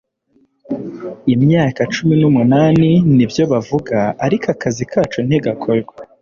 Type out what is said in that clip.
imyaka cumi numunani nibyo bavuga, ariko akazi kacu ntigakorwa